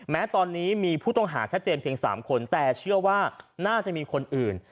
แม้ตอนนี้มีผู้ต้องหาชัดเจนเพียง๓คนแต่เชื่อว่าน่าจะมีคนอื่น